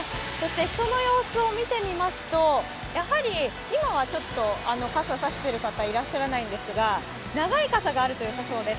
人の様子を見てみますと、やはり今はちょっと傘を差している方、いらっしゃらないんですが長い傘があるとよさそうです。